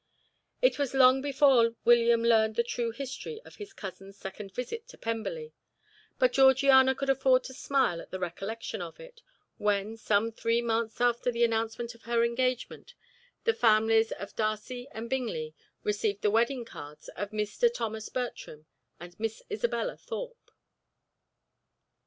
It was long before William learned the true history of his cousin's second visit to Pemberley, but Georgiana could afford to smile at the recollection of it, when, some three months after the announcement of her engagement, the families of Darcy and Bingley received the wedding cards of Mr. Thomas Bertram and Miss Isabella Thorpe.